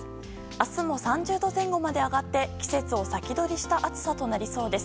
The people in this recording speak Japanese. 明日も３０度前後まで上がって季節を先取りした暑さとなりそうです。